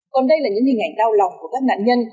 còn đây là những hình ảnh đau lòng của các nạn nhân